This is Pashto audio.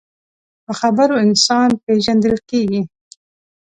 په خبرو انسان پیژندل کېږي